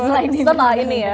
setelah ini ya